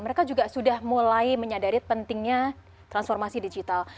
mereka juga sudah mulai menyadari pentingnya transformasi digital